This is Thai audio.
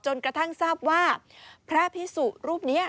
กระทั่งทราบว่าพระพิสุรูปนี้